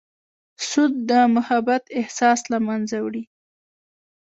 سود د محبت احساس له منځه وړي.